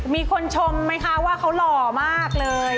มีคนชมไหมคะว่าเขาหล่อมากเลย